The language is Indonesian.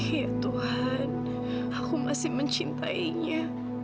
ya tuhan aku masih mencintainya